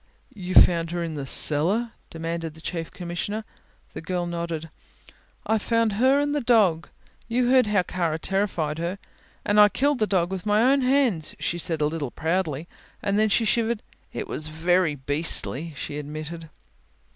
"You found her in the cellar?" demanded the Chief Commissioner. The girl nodded. "I found her and the dog you heard how Kara terrified her and I killed the dog with my own hands," she said a little proudly, and then shivered. "It was very beastly," she admitted.